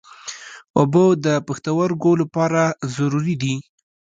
اوبه د پښتورګو لپاره ضروري دي.